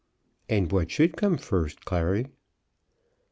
"And what should come first, Clary?"